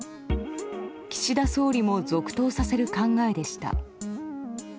岸田総理も続投させる考えでした。